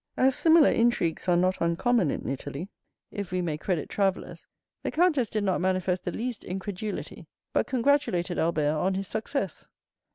As similar intrigues are not uncommon in Italy, if we may credit travellers, the comtess did not manifest the least incredulity, but congratulated Albert on his success.